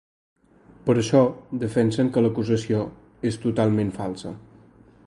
Per això defensen que l’acusació és ‘totalment falsa’.